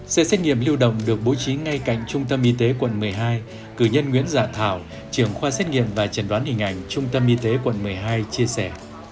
xe xét nghiệm lưu đồng được bố trí ngay cạnh trung tâm y tế quận một mươi hai cử nhân nguyễn dạ thảo thảo trưởng khoa xét nghiệm và chẩn đoán hình ảnh trung tâm y tế quận một mươi hai chia sẻ